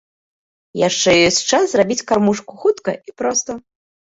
Яшчэ ёсць час зрабіць кармушку хутка і проста.